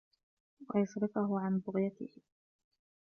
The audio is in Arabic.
وَيَصْرِفَهُ عَنْ بُغْيَتِهِ